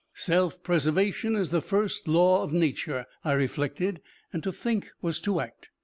Self preservation is the first law of nature, I reflected, and to think was to act.